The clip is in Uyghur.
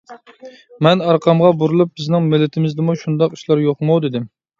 مەن ئارقامغا بۇرۇلۇپ: بىزنىڭ مىللىتىمىزدىمۇ شۇنداق ئىشلار يوقمۇ؟ دېدىم.